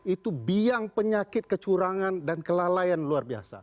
itu biang penyakit kecurangan dan kelalaian luar biasa